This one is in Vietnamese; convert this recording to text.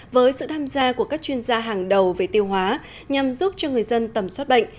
với sự tham gia của các chuyên gia hàng đầu về tiêu hóa nhằm giúp cho người dân tầm soát bệnh